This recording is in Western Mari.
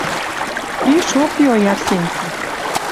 Пишок йой Арсенти